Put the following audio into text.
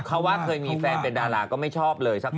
เขาว่าเคยมีแฟนเป็นดาราก็ไม่ชอบเลยสักคน